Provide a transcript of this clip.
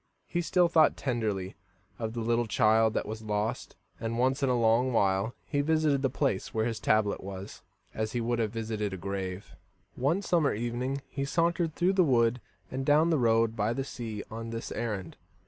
He still thought tenderly of the little child that was lost, and once in a long while he visited the place where his tablet was, as he would have visited a grave. One summer evening he sauntered through the wood and down the road by the sea on this errand.